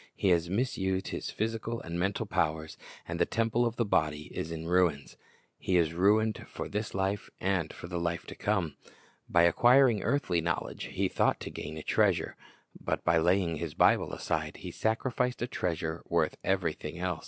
He has misused his physical and mental powers, and the temple of the body is in ruins. He is ruined for this life and for the "Buried treasure is unearthed, A fortune is within his reach. life to come. By acquiring earthly knowledge he thought to gain a treasure; but by laying his Bible aside, he sacri ficed a treasure worth everything else.